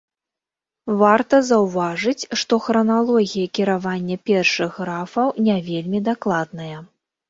Варта заўважыць, што храналогія кіравання першых графаў не вельмі дакладная.